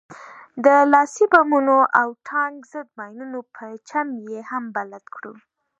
د لاسي بمونو او د ټانک ضد ماينونو په چم يې هم بلد کړو.